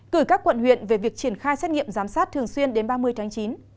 cử các quận huyện về việc triển khai xét nghiệm giám sát thường xuyên đến ba mươi tháng chín